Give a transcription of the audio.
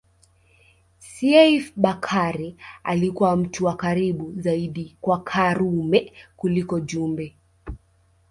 Seif Bakari alikuwa mtu wa karibu zaidi kwa Karume kuliko Jumbe